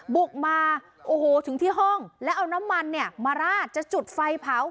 บุกมาโอ้โหถึงที่ห้องแล้วเอาน้ำมันเนี่ยมาราดจะจุดไฟเผา